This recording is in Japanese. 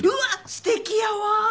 すてきやわ。